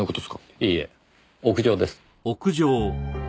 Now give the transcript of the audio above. いいえ屋上です。